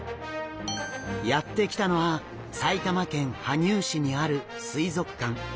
やって来たのは埼玉県羽生市にある水族館。